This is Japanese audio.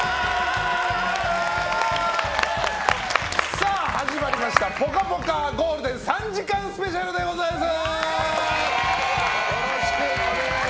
さあ、始まりました「ぽかぽかゴールデン」３時間スペシャルでございます！